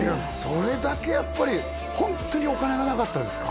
それだけやっぱりホントにお金がなかったですか？